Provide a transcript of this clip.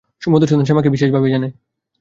মধুসূদন শ্যামাকে বিশেষ ভাবেই জানে।